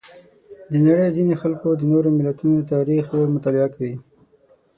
د نړۍ ځینې خلک د نورو ملتونو تاریخ مطالعه کوي.